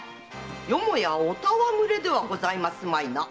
よもやお戯れではございますまいな？